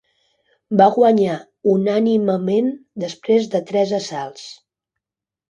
Va guanyar unànimement després de tres assalts.